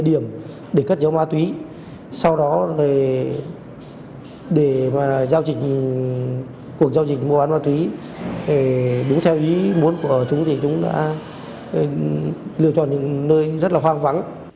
để kết dấu ma túy sau đó để mà giao dịch cuộc giao dịch mua bán ma túy đúng theo ý muốn của chúng thì chúng đã lựa chọn những nơi rất là hoang vắng